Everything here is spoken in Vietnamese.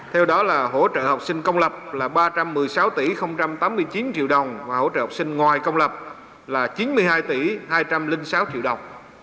theo đó là hỗ trợ học sinh công lập là ba trăm một mươi sáu tỷ tám mươi chín triệu đồng và hỗ trợ học sinh ngoài công lập là chín mươi hai tỷ hai trăm linh sáu triệu đồng